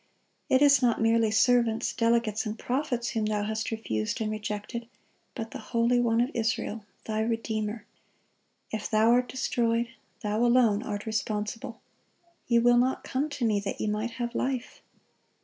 It is not merely servants, delegates, and prophets, whom thou hast refused and rejected, but the Holy One of Israel, thy Redeemer. If thou art destroyed, thou alone art responsible. 'Ye will not come to Me, that ye might have life.